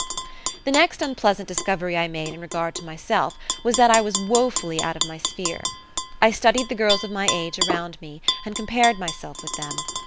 The next unpleasant discovery I made in regard to myself was that I was woefully out of my sphere. I studied the girls of my age around me, and compared myself with them.